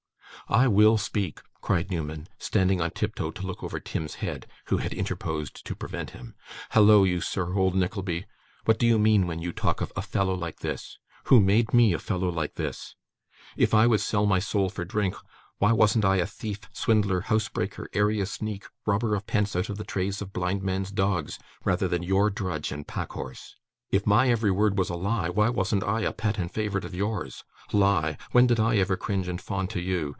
'I WILL speak,' cried Newman, standing on tiptoe to look over Tim's head, who had interposed to prevent him. 'Hallo, you sir old Nickleby! what do you mean when you talk of "a fellow like this"? Who made me "a fellow like this"? If I would sell my soul for drink, why wasn't I a thief, swindler, housebreaker, area sneak, robber of pence out of the trays of blind men's dogs, rather than your drudge and packhorse? If my every word was a lie, why wasn't I a pet and favourite of yours? Lie! When did I ever cringe and fawn to you.